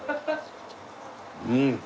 うん。